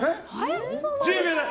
１０秒です。